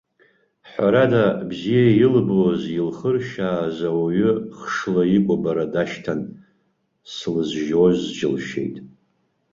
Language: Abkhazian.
Ҳәарада, бзиа илбоз, илхыршьааз ауаҩы хшла икәабара дашьҭан, слызжьоз џьылшьеит.